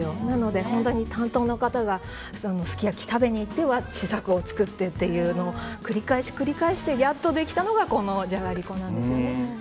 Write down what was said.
なので、担当の方がすき焼きを食べに行っては試作を作ってというのを繰り返し、繰り返してやっとできたのがこのじゃがりこなんですよね。